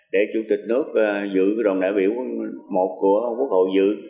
để chủ tịch nước giữ đồng đại biểu quận một của quốc hội giữ